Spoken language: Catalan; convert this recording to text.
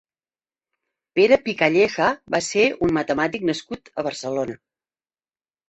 Pere Pi Calleja va ser un matemàtic nascut a Barcelona.